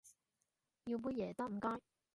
要杯椰汁唔該